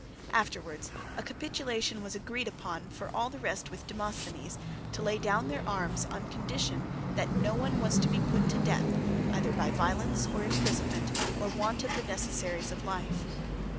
Afterwards a capitulation was agreed upon for all the rest with Demosthenes, to lay down their arms on condition that no one was to be put to death either by violence or imprisonment or want of the necessaries of life.